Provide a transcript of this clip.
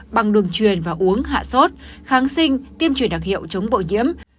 bằng đường truyền và uống hạ sốt kháng sinh tiêm truyền đặc hiệu chống bộ nhiễm